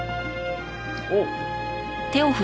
おう。